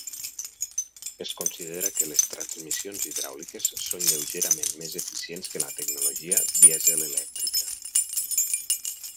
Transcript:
Es considera que les transmissions hidràuliques són lleugerament més eficients que la tecnologia dièsel-elèctrica.